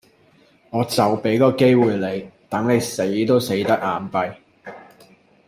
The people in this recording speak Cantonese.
我就畀個機會你，等你死都死得眼閉